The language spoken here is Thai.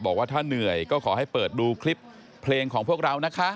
บอกว่าถ้าเหนื่อยก็ขอให้เปิดดูคลิปเพลงของพวกเรานะคะ